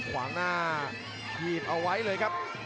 ขวางหน้าถีบเอาไว้เลยครับ